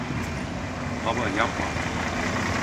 Baba, yapma!